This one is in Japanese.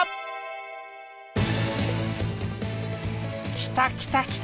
来た来た来た！